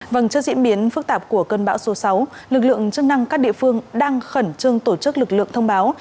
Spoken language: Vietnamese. vâng trước diễn biến phức tạp của cơn bão số sáu lực lượng chức năng các địa phương đang khẩn trương tổ chức lực lượng thông báo